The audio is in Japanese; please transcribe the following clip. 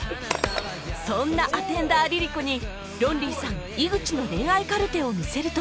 そんなアテンダー ＬｉＬｉＣｏ にロンリーさん井口の恋愛カルテを見せると